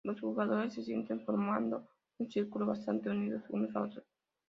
Los jugadores se sientan formando un círculo bastante unidos unos a otros.